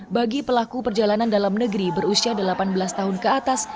bagi pelaku perjalanan dalam negeri berusia delapan belas tahun ke atas